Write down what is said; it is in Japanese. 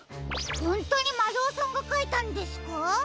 ほんとにまるおさんがかいたんですか？